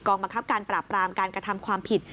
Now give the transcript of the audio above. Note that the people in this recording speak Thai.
บังคับการปราบปรามการกระทำความผิด